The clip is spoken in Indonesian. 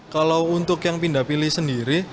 kalau untuk yang pindah pilih sendiri